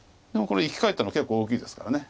でもこれ生き返ったのは結構大きいですから。